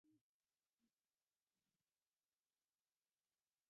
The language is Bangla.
তিনি যে সফলতা লাভ করেছেন তা প্রশংসনীয়।